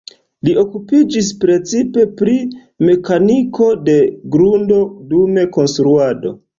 Li okupiĝis precipe pri mekaniko de grundo dum konstruado.